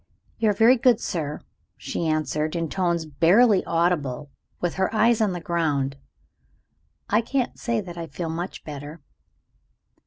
"You are very good, sir," she answered, in tones barely audible with her eyes on the ground. "I can't say that I feel much better."